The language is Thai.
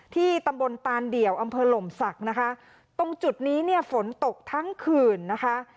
ที่ตำบลตานเดี่ยวอำเภอหล่มศักดิ์นะคะตรงจุดนี้เนี่ยฝนตกทั้งคืนนะคะ